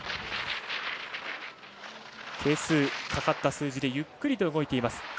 係数かかった数字でゆっくりと動いています。